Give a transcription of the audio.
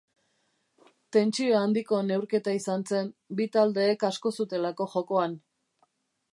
Tentsio handiko neurketa izan zen bi taldeek asko zutelako jokoan.